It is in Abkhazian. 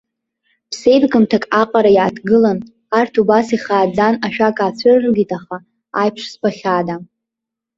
Ԥсеивгамҭак аҟара иааҭгылан, арҭ убас ихааӡан ашәак аацәырыргеит аха, аиԥш збахьада.